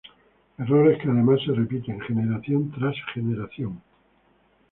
Errores que, además, se repiten generación tras generación.